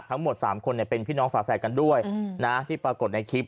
ทั้งหมด๓คนเป็นพี่น้องฝาแฝดกันด้วยนะที่ปรากฏในคลิป